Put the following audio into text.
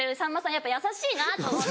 やっぱ優しいなと。